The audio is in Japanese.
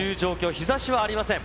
日ざしはありません。